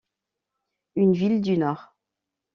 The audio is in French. Une ville du Nord.